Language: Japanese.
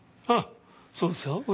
あっそうですよ。